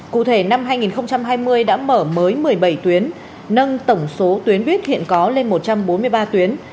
cụ thể năm hai nghìn hai mươi đã mở mới một mươi bảy tuyến nâng tổng số tuyến buýt hiện có lên một trăm bốn mươi ba tuyến